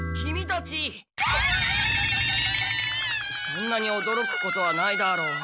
そんなにおどろくことはないだろう。